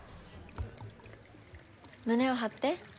胸を張って。